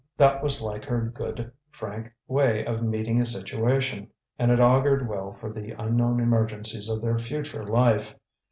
That was like her good, frank way of meeting a situation, and it augured well for the unknown emergencies of their future life.